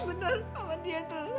bener sama dia tuh